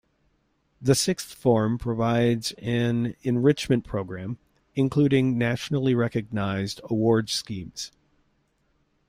The Sixth Form provides an enrichment programme, including nationally-recognised award schemes.